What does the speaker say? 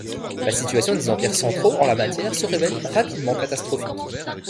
La situation des empires centraux en la matière se révèle rapidement catastrophique.